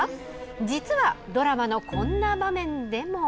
実は、ドラマのこんな場面でも。